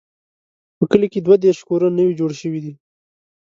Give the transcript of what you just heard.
په کلي کې دوه دیرش کورونه نوي جوړ شوي دي.